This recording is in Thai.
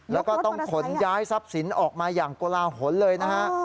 แล้วก็ต้องขนย้ายทรัพย์สินออกมาอย่างโกลาหลเลยนะฮะ